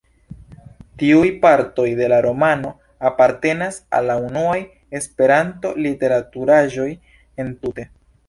Tiuj partoj de la romano apartenas al la unuaj Esperanto-literaturaĵoj entute.